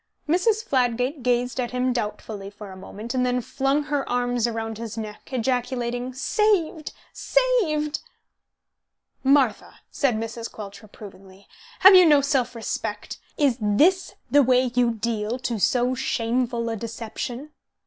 Mrs. Fladgate gazed at him doubtfully for a moment, and then flung her arms round his neck, ejaculating, "Saved, saved!" "Martha," said Mrs. Quelch, reprovingly, "have you no self respect? Is this the way you deal to so shameful a deception?"